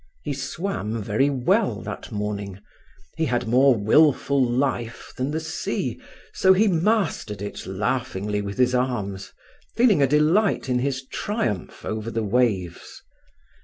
He swam very well that morning; he had more wilful life than the sea, so he mastered it laughingly with his arms, feeling a delight in his triumph over the waves.